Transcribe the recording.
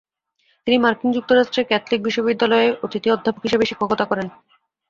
তিনি মার্কিন যুক্তরাষ্ট্রের ক্যাথলিক বিশ্ববিদ্যালয়ে অতিথি অধ্যাপক হিসেবে শিক্ষকতা করেন।